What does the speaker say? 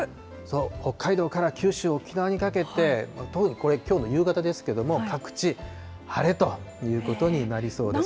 北海道から九州、沖縄にかけて、これきょうの夕方ですけれども、各地、晴れということになりそうです。